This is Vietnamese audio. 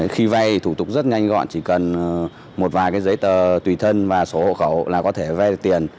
khi vai thủ tục rất nhanh gọn chỉ cần một vài giấy tờ tùy thân và số hộ khẩu là có thể vai tiền